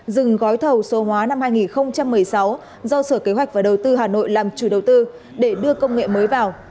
dừng gói thầu số hóa năm hai nghìn một mươi sáu do sở kế hoạch và đầu tư hà nội làm chủ đầu tư để đưa công nghệ mới vào